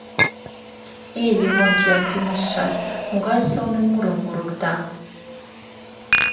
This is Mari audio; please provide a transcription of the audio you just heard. Эй, Левонтий Акимычшат, могай сылне мурым мурыкта!..